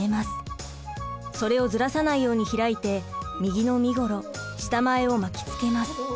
それをずらさないように開いて右の身ごろ下前を巻きつけます。